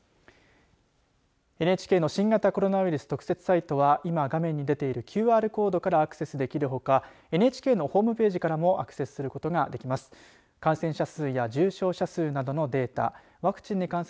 ＮＨＫの新型コロナウイルス特設サイトは今画面に出ているＱＲコードからアクセスできるほかＮＨＫのホームページからもアクセスすることができます。